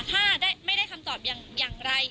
ถ้าไม่ได้คำตอบอย่างไร